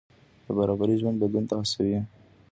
د برابرۍ ژبه بدلون ته هڅوي.